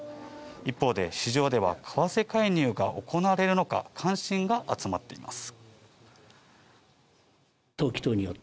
一方で市場では為替介入が行われるのかについて関心が集まっています。